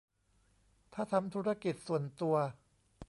ถ้าทำธุรกิจส่วนตัว